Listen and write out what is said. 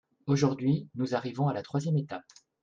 Aujourd’hui, nous arrivons à la troisième étape.